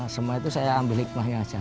semua itu saya ambil nikmahnya aja